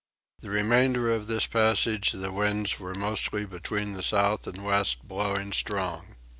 The remainder of this passage the winds were mostly between the south and west blowing strong.